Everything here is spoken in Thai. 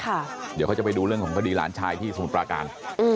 เดี๋ยวเขาจะไปดูเรื่องของคดีหลานชายที่สมุทรปราการ